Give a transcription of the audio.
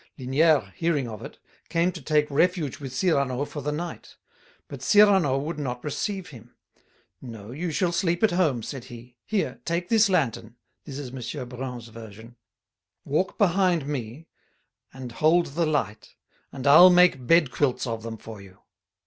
Linière, hearing of it, came to take refuge with Cyrano for the night. But Cyrano would not receive him. "No, you shall sleep at home," said he. "Here, take this lantern" (this is M. Brun's version), "walk behind me and hold the light, and I'll make bed quilts of them for you!"